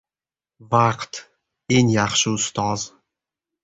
• Vaqt — eng yaxshi ustoz.